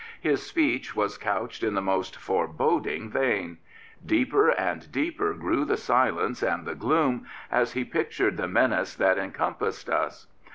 His speech was couched in the most foreboding vein. Deeper and deeper grew the silence and the gloom as he pictured the menace that encompassed us.